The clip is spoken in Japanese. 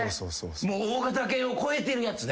もう大型犬を超えてるやつね。